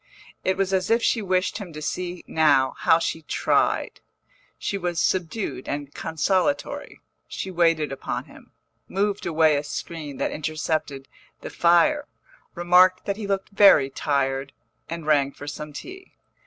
It was as if she wished him to see now how she tried. She was subdued and consolatory, she waited upon him, moved away a screen that intercepted the fire, remarked that he looked very tired, and rang for some tea.